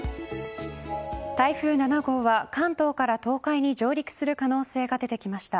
台風７号は関東から東海に上陸する可能性が出てきました。